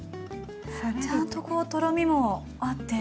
ちゃんとこうとろみもあって。